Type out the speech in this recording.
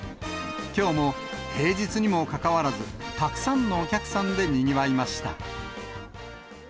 きょうも平日にもかかわらず、たくさんのお客さんでにぎわいました。